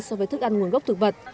so với thức ăn nguồn gốc thực vật